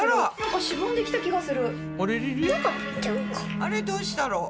あれどうしてだろう？